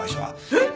えっ！？